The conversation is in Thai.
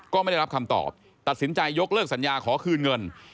ก็ไม่ได้รับคำตอบตัดสินใจยกเลิกสัญญาขอคืนเงิน